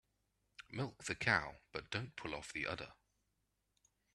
Milk the cow but don't pull off the udder.